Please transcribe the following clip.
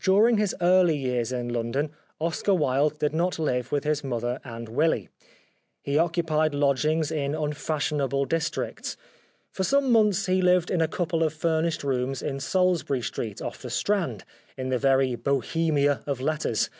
During his early years in London Oscar Wilde did not live with his mother and Willy. He 171 The Life of Oscar Wilde occupied lodgings in unfashionable districts. For some months he lived in a couple of furnished rooms in Salisbury Street, off the Strand, in the very Bohemia of letters.